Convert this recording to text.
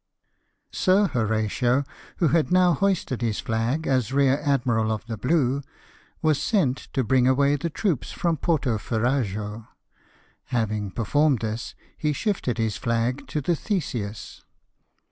Sir Horatio, who had now hoisted his flag as rear admiral of the blue, was sent to bring away the troops from Porto Ferrajo ; having performed this, he shifted his flag to the Theseus.